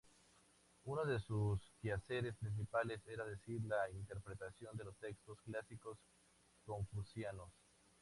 Uno de sus quehaceres principales era decidir la interpretación de los textos clásicos confucianos.